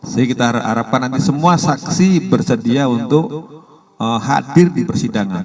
jadi kita harapkan nanti semua saksi bersedia untuk hadir di persidangan